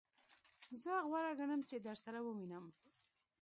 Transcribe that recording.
زه غوره ګڼم چی درسره ووینم.